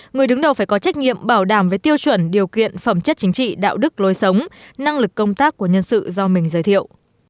người đứng đầu phải có trách nhiệm bảo đảm với tiêu chuẩn điều kiện phẩm chất chính trị đạo đức lối sống năng lực công tác của nhân sự do mình giới thiệu